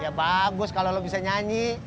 ya bagus kalau lo bisa nyanyi